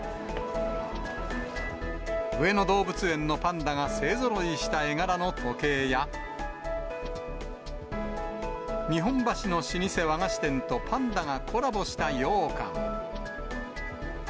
上野動物園のパンダが勢ぞろいした絵柄の時計や、日本橋の老舗和菓子店とパンダがコラボしたようかん。